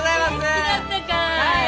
元気だったかい？